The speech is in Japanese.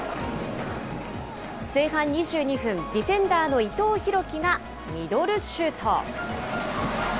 前半２２分、ディフェンダーの伊藤洋輝がミドルシュート。